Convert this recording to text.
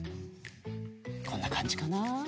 こんなかんじかな。